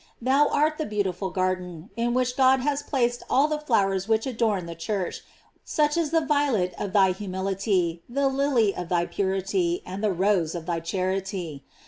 Thou art the beautiful garden, in which God has placed all the flowers which adorn the Church, such as the violet of thy humility, the lily of thy purity, and the rose of thy charity.